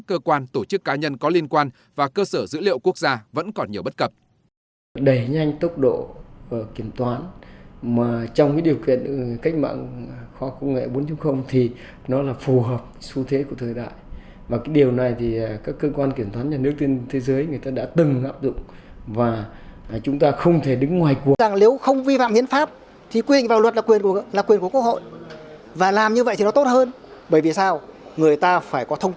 cơ quan tổ chức cá nhân có liên quan và cơ sở dữ liệu quốc gia vẫn còn nhiều bất cập